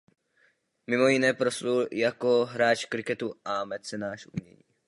Mimo jiné proslul jako hráč kriketu a mecenáš umění.